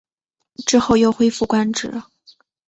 之后又恢复官职。